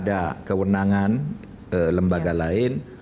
ada kewenangan lembaga lain